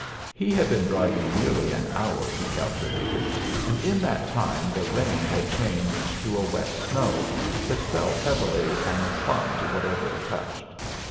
He had been driving nearly an hour, he calculated, and in that time the rain had changed to a wet snow, that fell heavily and clung to whatever it touched.